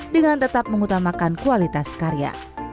dengan tetap mengutamakan kualitas karya